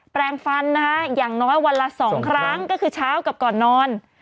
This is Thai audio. แปลงฟันนะคะอย่างน้อยวันละ๒ครั้งก็คือเช้ากับก่อนนอน